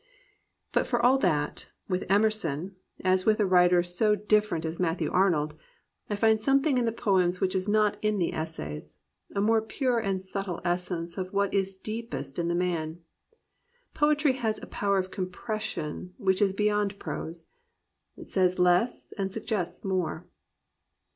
^But for all that, with Emerson, (as with a writer 344 A PURITAN PLUS POETRY so different as Matthew Arnold,) I find something in the j>oenis which is not in the essays, — a more pure and subtle essence of what is deepest in the man. Poetry has a power of compression which is beyond prose. It says less and suggests more.